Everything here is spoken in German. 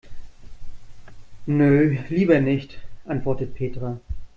Nö, lieber nicht, antwortet Petra.